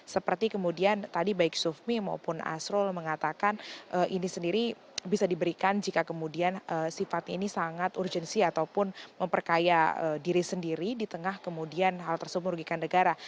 seperti kemudian tadi baik sufmi maupun asrul mengatakan ini sendiri bisa diberikan jika kemudian sifatnya ini sangat urgensi ataupun memperkaya diri sendiri di tengah kemudian hal tersebut merugikan negara